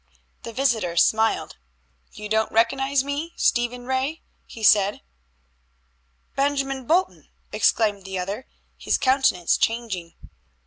The visitor smiled. "You don't recognize me, Stephen Ray?" he said. "Benjamin Bolton!" exclaimed the other, his countenance changing.